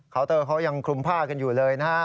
เคาน์เตอร์เขายังคลุมผ้ากันอยู่เลย